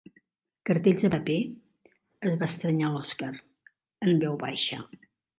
Cartells de paper? —es va estranyar l'Oskar, en veu baixa.